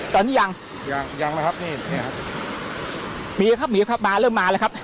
ตอนนี้ยังยังนะครับนี่นี่ครับมีครับมีครับมาเริ่มมาแล้วครับ